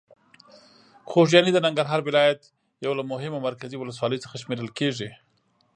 خوږیاڼي د ننګرهار ولایت یو له مهمو مرکزي ولسوالۍ څخه شمېرل کېږي.